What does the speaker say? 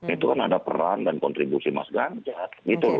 itu kan ada peran dan kontribusi mas ganjar